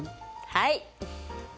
はい。